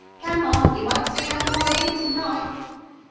"Come on! you won't see no more of him to night!"